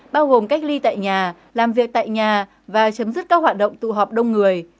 bao gồm cách ly tại nhà làm việc tại nhà và chấm dứt các hoạt động tụ họp đông người